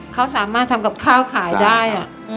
เขาสามารถทำกับข้าวขายได้